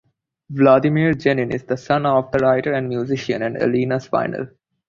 Vladimir Genin is the son of the writer and musician and Elena Spinel.